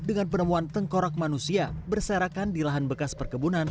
dengan penemuan tengkorak manusia berserakan di lahan bekas perkebunan